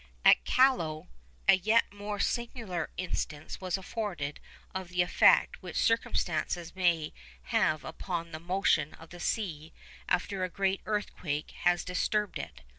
At Callao a yet more singular instance was afforded of the effect which circumstances may have upon the motion of the sea after a great earthquake has disturbed it.